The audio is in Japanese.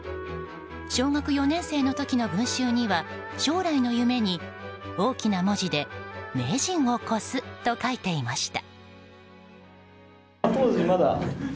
小学４年生の時の文集には将来の夢に大きな文字で「名人をこす」と書いていました。